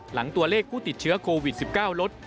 หลังตัวเลขผู้ติดเชื้อโควิด๑๙ลด